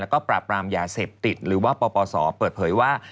แล้วก็ปราบรามยาเสพติดหรือว่าปปศเปิดเผยว่า